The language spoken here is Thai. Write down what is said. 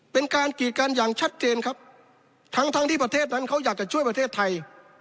เป็นการกีดกันอย่างชัดเจนครับทั้งทั้งที่ประเทศนั้นเขาอยากจะช่วยประเทศไทย